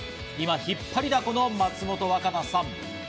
今、引っ張りだこの松本若菜さん。